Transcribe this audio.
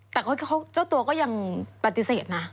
แต่เจ้าตัวก็ยังปฏิเสธนะ